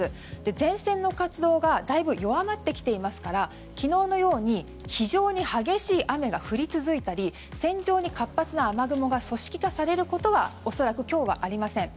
前線の活動がだいぶ弱まってきていますから昨日のように非常に激しい雨が降り続いたり線上に活発な雨雲が組織化されることは恐らく、今日はありません。